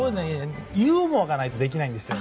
ユーモアがないとできないんですよ。